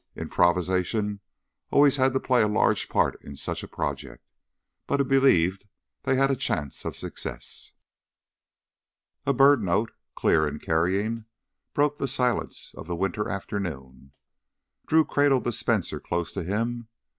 Improvisation always had to play a large part in such a project, but he believed they had a chance of success. A bird note, clear and carrying, broke the silence of the winter afternoon. Drew cradled the Spencer close to him.